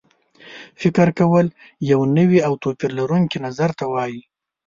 فکر کول یو نوي او توپیر لرونکي نظر ته وایي.